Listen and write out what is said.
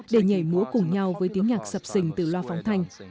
để nhảy múa cùng nhau với tiếng nhạc sập sình từ loa phóng thanh